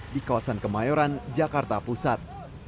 di kawasan kemayoran jakarta pusat